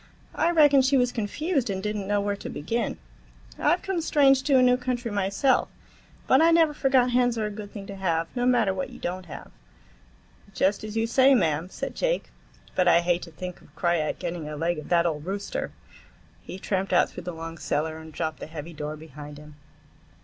I reckon she was confused and did n't know where to begin. I've come strange to a new country myself, but I never forgot hens are a good thing to have, no matter what you don't have." "Just as you say, mam," said Jake, "but I hate to think of Krajiek getting a leg of that old rooster." He tramped out through the long cellar and dropped the heavy door behind him.